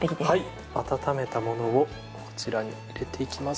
温めた物をこちらに入れていきます。